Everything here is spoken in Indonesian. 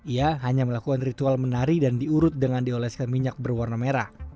ia hanya melakukan ritual menari dan diurut dengan dioleskan minyak berwarna merah